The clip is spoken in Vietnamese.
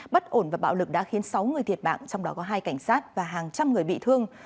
bất ổn và bạo lực đã khiến sáu người thiệt mạng trong đó có hai cảnh sát và hàng trăm người bị thương